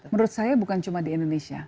menurut saya bukan cuma di indonesia